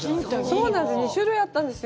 そうなんです。